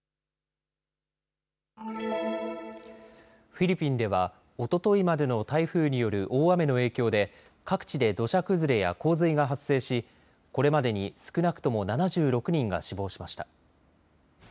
フィリピンではおとといまでの台風による大雨の影響で各地で土砂崩れや洪水が発生しこれまでに少なくとも７６人が死亡しました。